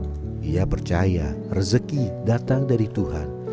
dia percaya rezeki datang dari tuhan